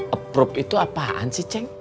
approve itu apaan sih ceng